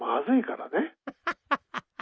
ハハハハ！